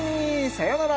さようなら